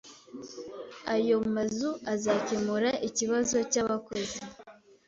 Ayo mazu akazakemura ikibazo cy’abakozi